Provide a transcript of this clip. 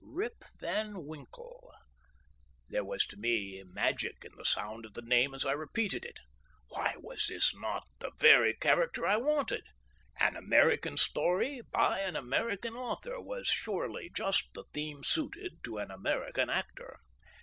Rip Van Winkle! There was to me magic in the sound of the name as I repeated it. Why, was not this the very character I wanted? An Ameri can story by an American author was surely just the theme suited to an American actor.